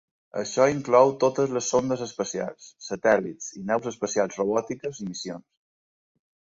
Això inclou totes les sondes espacials, satèl·lits i naus espacials robòtiques i missions.